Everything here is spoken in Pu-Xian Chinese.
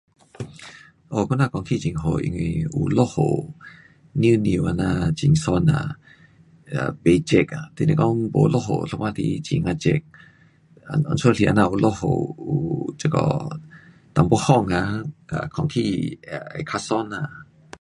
我们天气很好因为有下雨凉凉很爽不热就是说没下雨有时候很热就是说有下雨现在有点风空气会更爽